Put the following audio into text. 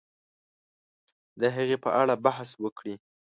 د هغې په اړه بحث وکړي